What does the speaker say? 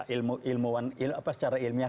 ilmu ilmu apa secara ilmiah